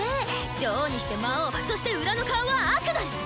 女王にして魔王そして裏の顔はアクドル！